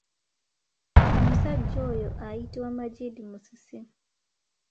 Omusajja oyo ayitibwa Magid Musisi.